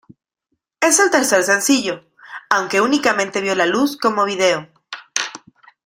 Es el tercer sencillo, aunque únicamente vio la luz como vídeo.